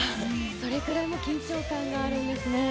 それぐらいの緊張感があるんですね。